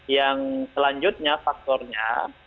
yang selanjutnya faktornya